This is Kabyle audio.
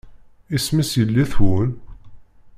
Isem-is yelli-twen?